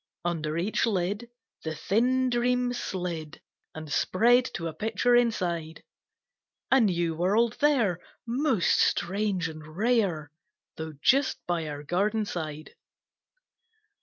Under each lid The thin Dream slid, And spread to a picture inside, A new World there, Most strange and rare, Tho' just by our garden side.